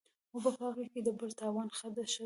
او پۀ هغې کې د بل د تاوان خدشه وي